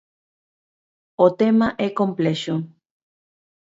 O tema é complexo.